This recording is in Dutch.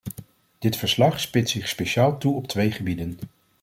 Dit verslag spitst zich speciaal toe op twee gebieden.